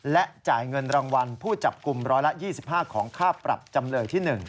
และจ่ายเงินรางวัลผู้จับกลุ่ม๑๒๕ของค่าปรับจำเลยที่๑